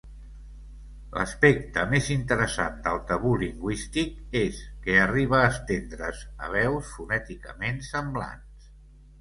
L'aspecte més interessant del tabú lingüístic és que arriba a estendre's a veus fonèticament semblants.